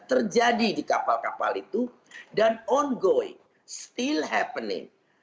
terjadi di kapal kapal itu dan ongoing still happening